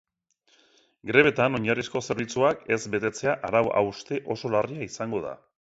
Grebetan oinarrizko zerbitzuak ez betetzea arau-hauste oso larria izango da.